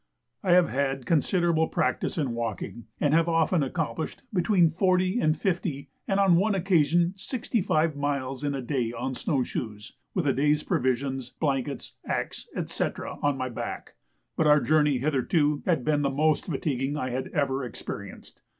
I have had considerable practice in walking, and have often accomplished between forty and fifty, and, on one occasion, sixty five miles in a day on snow shoes, with a day's provisions, blanket, axe, &c. on my back; but our journey hitherto had been the most fatiguing I had ever experienced.